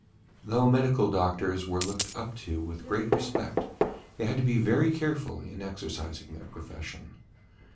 Though medical doctors were looked up to with great respect, they had to be very careful in exercising their profession.